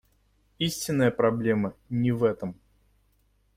Истинная проблема не в этом.